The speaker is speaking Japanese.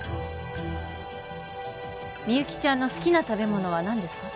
みゆきちゃんの好きな食べ物は何ですか？